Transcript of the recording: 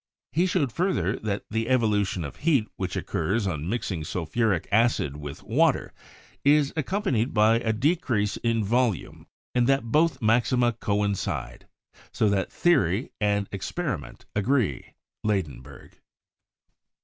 He showed, further, that the evolution of heat which occurs on mixing sulphuric acid with water is accompanied by a decrease in volume, and that both maxima coincide ; so that theory and experiment agree, (Ladenburg.)